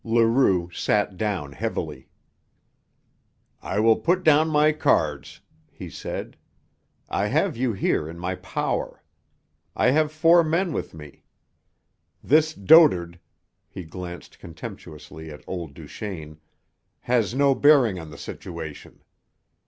Leroux sat down heavily. "I will put down my cards," he said. "I have you here in my power. I have four men with me. This dotard" he glanced contemptuously at old Duchaine "has no bearing on the situation.